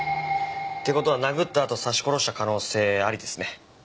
って事は殴ったあと刺し殺した可能性ありですね。